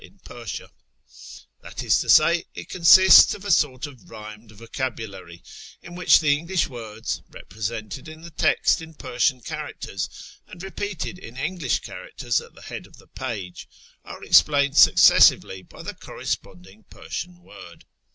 io6 A YEAR AMONGST THE PERSIANS that is to say, it consists ol' a sort of iliyined vocabulary, in ^vhic]l tlic Englisli words (represented in llie text in Persian characters, and repeated in English characters at the head of the page) are explained successively by the corresponding Persian ■word.